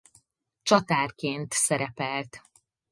Csatárként szerepelt.